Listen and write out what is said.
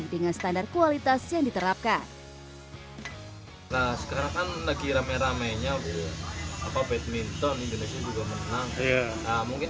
dengan standar kualitas yang diterapkan nah sekarang kan lagi rame rame